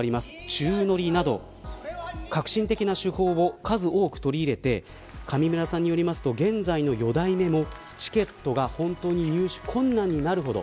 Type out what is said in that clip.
宙乗りなど革新的な手法を数多く取り入れて上村さんによりますと現在の四代目もチケットが入手困難になるほど。